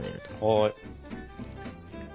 はい。